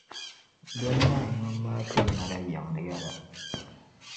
Bini maa nyom maa, teema la yiŋ yela.